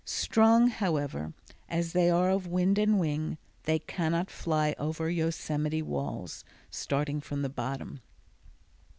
Strong, however, as they are of wind and wing, they cannot fly over Yosemite walls, starting from the bottom.